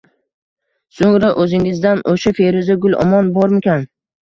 So‘ngra o‘zingizdan: «O‘sha feruza gul omon bormikan?